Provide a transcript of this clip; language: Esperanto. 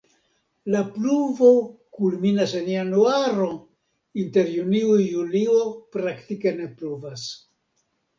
La pluvo kulminas en januaro, inter junio-julio praktike ne pluvas.